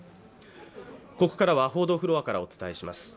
ここからは報道フロアからお伝えします。